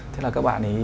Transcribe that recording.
thế là các bạn ấy